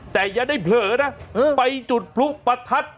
แต่อย่าได้เผลอนะไปจุดพลุประทัด